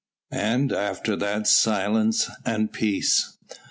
And after that silence and peace.